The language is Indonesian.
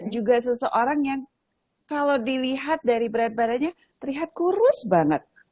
juga seseorang yang kalau dilihat dari berat badannya terlihat kurus banget